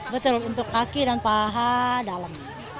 betul untuk kaki dan paha dalam